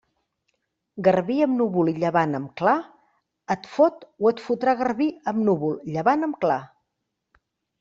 Garbí amb núvol i llevant amb clar, et fot o et fotrà Garbí amb núvol, llevant amb clar.